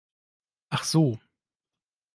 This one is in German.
Ach so.